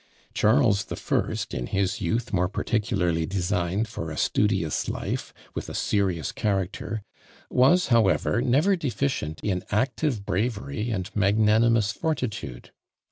Charles the First, in his youth more particularly designed for a studious life, with a serious character, was, however, never deficient in active bravery and magnanimous fortitude.